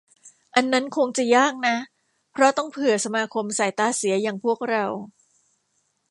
อันนั้นคงจะยากนะ เพราะต้องเผื่อสมาคมสายตาเสียอย่างพวกเรา